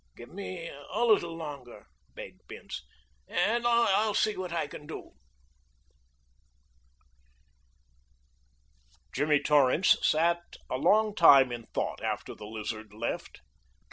"Give me a little longer," begged Bince, "and I'll see what I can do." Jimmy Torrance sat a long time in thought after the Lizard left.